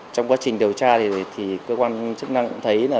trong quá trình điều tra thì cơ quan chức năng thấy